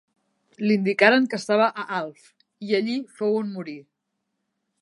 Li indicaren que estava a Alf i allí fou on morí.